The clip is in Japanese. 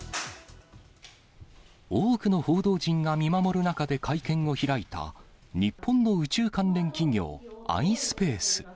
多くの報道陣が見守る中で会見を開いた日本の宇宙関連企業、ｉｓｐａｃｅ。